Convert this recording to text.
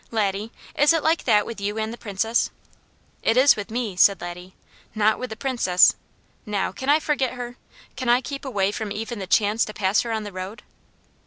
Laddie, is it like that with you and the Princess?" "It is with me," said Laddie. "Not with the Princess! Now, can I forget her? Can I keep away from even the chance to pass her on the road?"